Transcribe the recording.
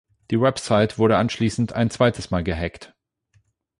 Die Website wurde anschließend ein zweites Mal gehackt.